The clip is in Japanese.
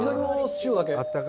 塩だけ。